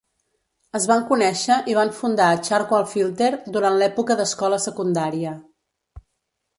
Es van conèixer i van fundar Charcoal Filter durant l'època d'escola secundària.